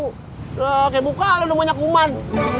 kayak muka lo udah banyak kuman